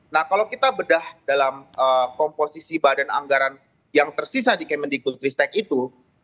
nah kalau kita bedah dalam komposisi badan anggaran yang tersisa di kemendikbud ristek itu